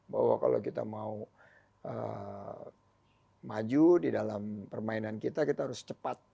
bahwa kalau kita mau maju di dalam permainan kita kita harus cepat